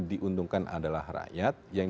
diuntungkan adalah rakyat yang